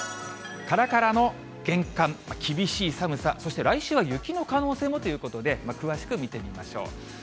からからの厳寒、厳しい寒さ、そして来週は雪の可能性もということで、詳しく見てみましょう。